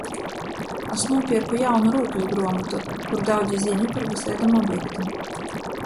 Es nūpierku jaunu rūkysgruomotu, kur daudz ziņu par vysaidim objektim.